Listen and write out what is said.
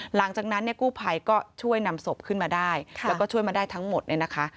หลังจากนั้นเนี่ยกู้ภัยก็ช่วยนำศพขึ้นมาได้แล้วก็ช่วยมาได้ทั้งหมดเนี่ยนะคะ